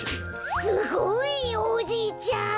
すごい！おじいちゃん。